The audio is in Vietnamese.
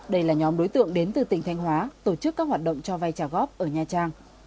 đây là nhóm đối tượng đến từ tỉnh thanh hóa tổ chức các hoạt động cho vay trả góp ở nha trang